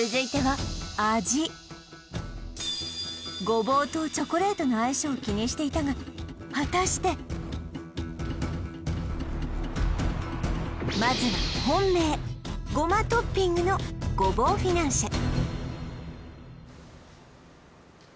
ごぼうとチョコレートの相性を気にしていたが果たしてまずは本命胡麻トッピングのごぼうフィナンシェ